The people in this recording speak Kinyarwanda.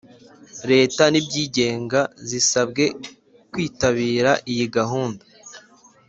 Leta n ibyigenga zisabwe kwitabira iyi gahunda